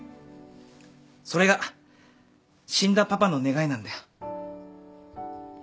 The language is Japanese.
それが死んだパパの願いなんだよ。